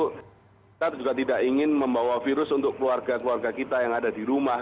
kita juga tidak ingin membawa virus untuk keluarga keluarga kita yang ada di rumah